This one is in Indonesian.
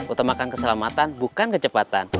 utamakan keselamatan bukan kecepatan